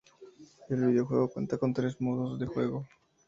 El videojuego cuenta con tres modos de juego.